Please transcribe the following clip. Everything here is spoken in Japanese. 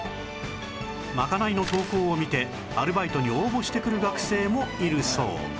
まかないの投稿を見てアルバイトに応募してくる学生もいるそう